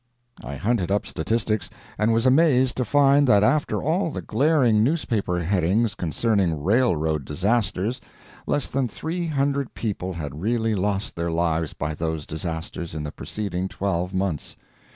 I hunted up statistics, and was amazed to find that after all the glaring newspaper headings concerning railroad disasters, less than three hundred people had really lost their lives by those disasters in the preceding twelve months.